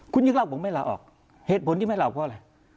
คุณยิ่งเล่าผมไม่ลาออกเหตุผลที่ไม่ลาเพราะอะไร